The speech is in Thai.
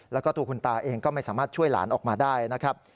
แล้วก็ตัวคุณตาเองก็ไม่สามารถช่วยหลานออกมาได้นะครับ